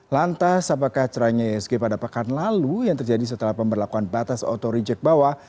lantas apakah cerahnya isg pada pekan lalu yang terjadi setelah pemberlakuan batas auto reject bawah